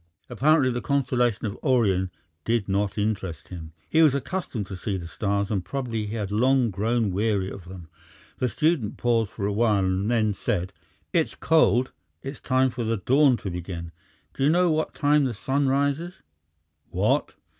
Apparently the constellation of Orion did not interest him. He was accustomed to see the stars, and probably he had long grown weary of them. The student paused for a while and then said: "It's cold! It's time for the dawn to begin. Do you know what time the sun rises?" "What?"